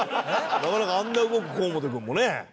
なかなかあんな動く河本君もね。